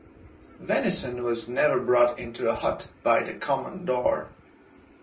Venison was never brought into a hut by the common door.